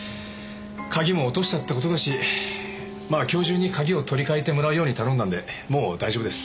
鍵も落としちゃった事だしまあ今日中に鍵を取り替えてもらうように頼んだんでもう大丈夫です。